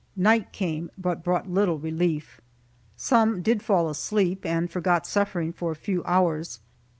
Night came, but brought little relief. Some did fall asleep, and forgot suffering for a few hours.